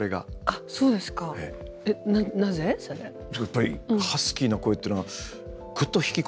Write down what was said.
やっぱりハスキーな声っていうのはぐっと引き込まれる感じが。